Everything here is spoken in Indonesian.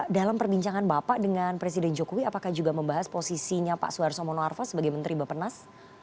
dalam perbincangan bapak dengan presiden jokowi apakah juga membahas posisinya pak suharto mono arfa sebagai menteri bapak nas